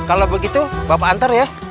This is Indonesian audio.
kalau begitu bapak antar ya